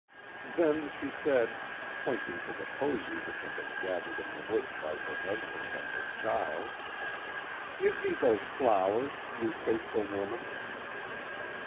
"Then she said, pointing to the posy which had been gathered in the woods by her husband and her child: "'Give me those flowers, you faithful woman.'